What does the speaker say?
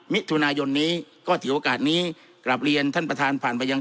มิถุนายนนี้ก็ถือโอกาสนี้กลับเรียนท่านประธานผ่านไปยัง